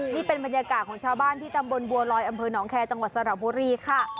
นี่เป็นบรรยากาศของชาวบ้านที่ตำบลบัวลอยอำเภอหนองแคร์จังหวัดสระบุรีค่ะ